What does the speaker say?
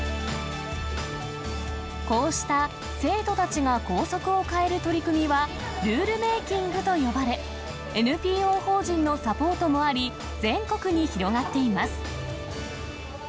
こうした生徒たちが校則を変える取り組みは、ルールメイキングと呼ばれ、ＮＰＯ法人のサポートもあり、全国に広がっています。